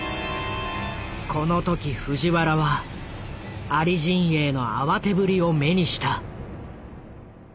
この時藤原はアリ陣営の慌てぶりを目にした。